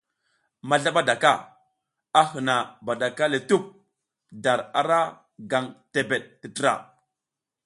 Mazlabadaka a hǝna badaka le tup dar ara gaŋ tebeɗ tǝtra.